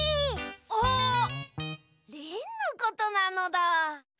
あっリンのことなのだ！